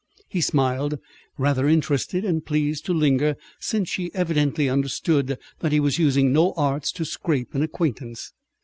He smiled, rather interested, and pleased to linger, since she evidently understood that he was using no arts to scrape an acquaintance.